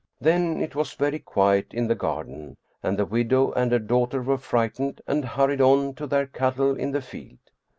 Then it was very quiet in the garden, and the widow and her daughter were frightened and hurried on to their cattle in the field.